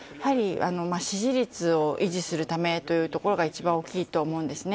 支持率を維持するためというところが一番大きいと思うんですね。